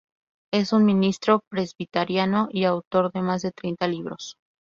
Es un ministro presbiteriano; y autor de más de treinta libros.